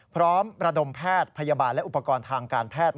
ระดมแพทย์พยาบาลและอุปกรณ์ทางการแพทย์